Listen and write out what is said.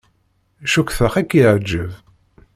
Cukkteɣ ad k-yeɛjeb.